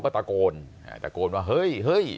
เขาก็ตะโกนว่าเฮ้ย